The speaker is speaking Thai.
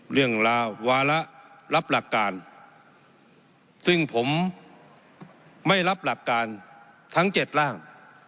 เรื่องราววาระรับหลักการซึ่งผมไม่รับหลักการทั้ง๗ร่าง